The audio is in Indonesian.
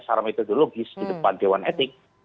secara metodologis di depan dewan etik